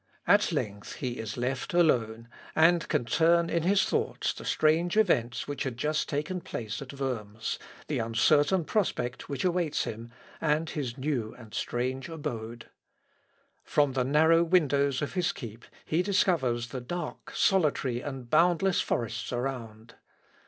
At length he is left alone, and can turn in his thoughts the strange events which had just taken place at Worms, the uncertain prospect which awaits him, and his new and strange abode. From the narrow windows of his keep he discovers the dark, solitary, and boundless forests around.